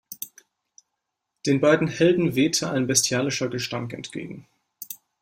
Den beiden Helden wehte ein bestialischer Gestank entgegen.